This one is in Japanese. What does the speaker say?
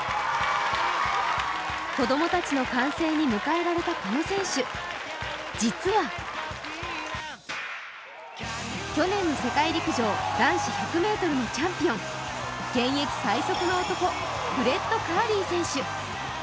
子供たちの歓声に迎えられたこの選手、実は去年の世界陸上男子１００ｍのチャンピオン現役最速の男、フレッド・カーリー選手。